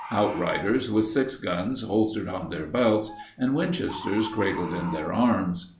Outriders with six guns holstered on their belts and Winchesters cradled in their arms.